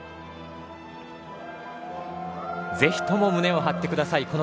ぜひとも胸を張ってください。